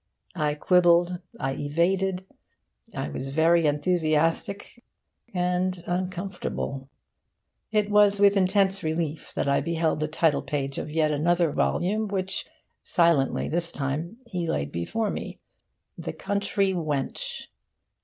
I quibbled, I evaded, I was very enthusiastic and uncomfortable. It was with intense relief that I beheld the title page of yet another volume which (silently, this time) he laid before me The Country Wench.